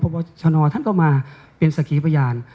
คุณพบชนท่านก็มาเป็นศักยีประหย่าน